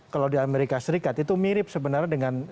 kalau di amerika serikat itu mirip sebenarnya dengan